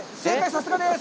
さすがです！